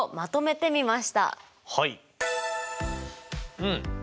うん。